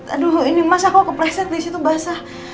aduh ini masa aku kepreset disitu basah